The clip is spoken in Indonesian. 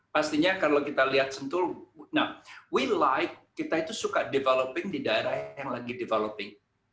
pastinya kalau kita lihat sentul nah we like kita itu suka developing di daerah yang lagi developing